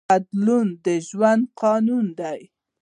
بدلون د ژوند قانون دی.